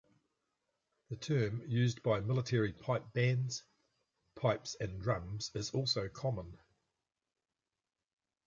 The term used by military pipe bands, pipes and drums, is also common.